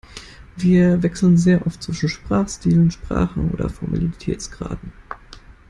Wir wechseln sehr oft zwischen Sprachstilen, Sprachen oder Formalitätsgraden.